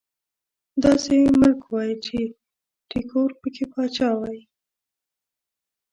داسې ملک وای چې ټيګور پکې پاچا وای